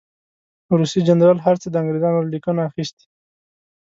روسي جنرال هر څه د انګرېزانو له لیکنو اخیستي.